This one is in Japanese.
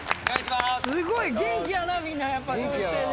すごい元気やなみんなやっぱ小学生で。